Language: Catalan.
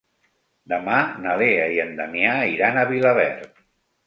Demà na Lea i en Damià iran a Vilaverd.